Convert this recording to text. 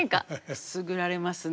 くすぐられますね。